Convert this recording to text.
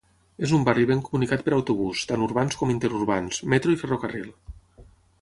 És un barri ben comunicat per autobús, tant urbans com interurbans, metro i ferrocarril.